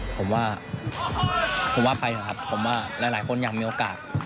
ผมว่าผมว่าไปเถอะครับผมว่าหลายคนอยากมีโอกาส